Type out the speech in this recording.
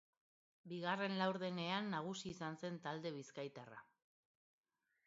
Bigarren laurdenean nagusi izan zen talde bizkaitarra.